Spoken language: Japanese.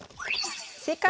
正解！